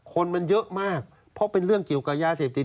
คนมันเยอะมากเพราะเป็นเรื่องเกี่ยวกับยาเสพติด